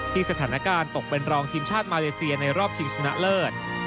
สถานการณ์ตกเป็นรองทีมชาติมาเลเซียในรอบชิงชนะเลิศ